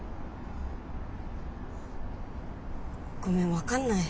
ごめん分かんない。